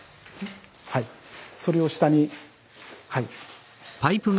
はいそれを下に。